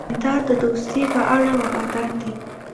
جانداد د دوستی په لار وفادار دی.